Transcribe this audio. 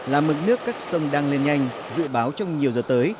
là mực nước các sông đang lên nhanh dự báo trong nhiều giờ tới